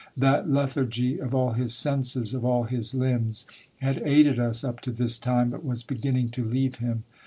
That lethargy of all his senses, of all his hmbs, had aided us up to this time, but was begin ning to leave him.